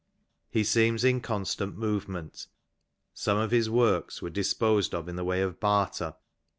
He seems in constant movement. Some of his works were disposed of in the way of barter.